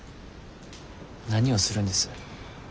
何をするんです